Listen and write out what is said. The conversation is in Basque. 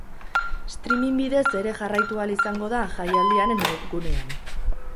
Streaming bidez ere jarraitu ahal izango da jaialdiaren webgunean.